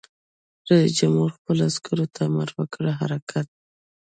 رئیس جمهور خپلو عسکرو ته امر وکړ؛ حرکت!